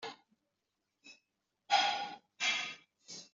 Ad tt-wansen?